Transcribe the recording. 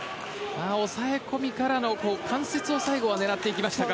抑え込みからの関節を最後、狙っていきましたか。